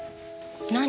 何？